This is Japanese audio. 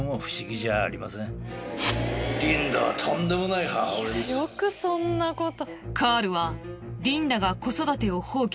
いやよくそんなこと。